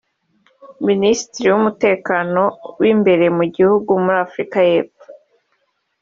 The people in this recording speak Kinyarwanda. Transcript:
Minisitiri w’Umutekano w’Imbere mu gihugu muri Afurika y’Epfo